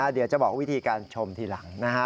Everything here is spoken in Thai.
เดี๋ยวจะบอกวิธีการชมทีหลังนะฮะ